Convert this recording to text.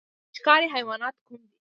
ښکاري حیوانات کوم دي؟